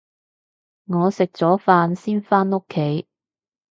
我食咗飯先返屋企